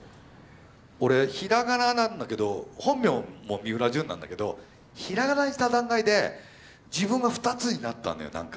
俺平仮名なんだけど本名も三浦純なんだけど平仮名にした段階で自分が２つになったのよなんか。